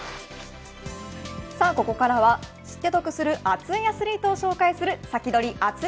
さあここからは知って得する熱いアスリートを紹介するサキドリ！